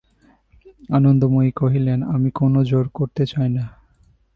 আনন্দময়ী কহিলেন, আমি কোনো জোর করতে চাই নে।